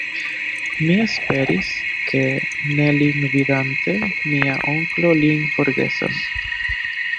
Mi esperis, ke, ne lin vidante, mia onklo lin forgesos.